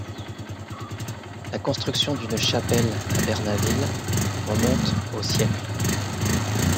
La construction d'une chapelle à Bernaville remonte au siècle.